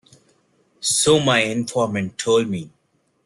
So my informant told me.